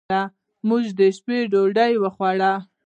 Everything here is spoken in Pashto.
موږ د شپې ډوډۍ وخوړه.